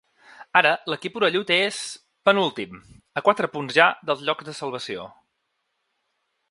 Ara, l’equip orellut és… penúltim, a quatre punts ja dels llocs de salvació.